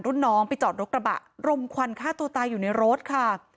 รุ่นน้องไปจอดรถกระบะรมควันฆ่าตัวตายอยู่ในรถค่ะ